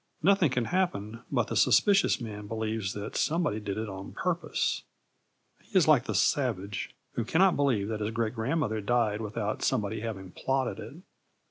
Nothing can happen but the suspicious man believes that somebody did it on purpose. He is like the savage who cannot believe that his great grandmother died without somebody having plotted it.